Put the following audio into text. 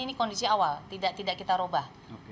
ini kondisi awal tidak kita ubah